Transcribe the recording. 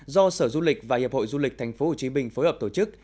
do sở du lịch và hiệp hội du lịch tp hcm phối hợp tổ chức